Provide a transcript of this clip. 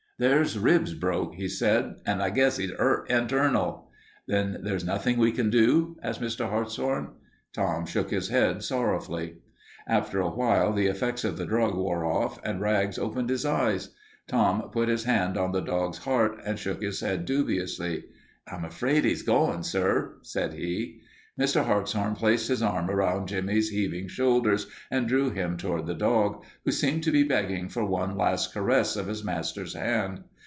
"There's ribs broke," he said, "and I guess 'e's 'urt hinternal." "Then there's nothing we can do?" asked Mr. Hartshorn. Tom shook his head sorrowfully. After awhile the effects of the drug wore off and Rags opened his eyes. Tom put his hand on the dog's heart and shook his head dubiously. "I'm afraid 'e's going, sir," said he. Mr. Hartshorn placed his arm about Jimmie's heaving shoulders and drew him toward the dog, who seemed to be begging for one last caress of his master's hand.